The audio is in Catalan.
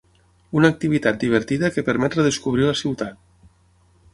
Una activitat divertida que permet redescobrir la ciutat.